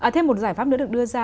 thêm một giải pháp nữa được đưa ra